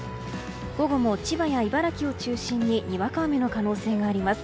午後も千葉や茨城を中心ににわか雨の可能性があります。